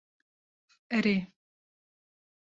Erê.